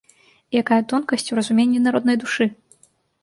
І якая тонкасць у разуменні народнай душы!